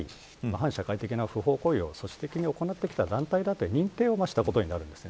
反社会的な不法行為を組織的に行ってきた団体だと認定したことになるんです。